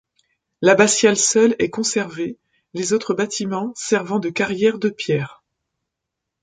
L'abbatiale seule est conservée, les autres bâtiments servant de carrière de pierre.